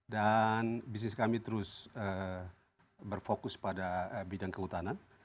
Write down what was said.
dan bisnis kami terus berfokus pada bidang kehutanan